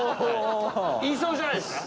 言いそうじゃないですか？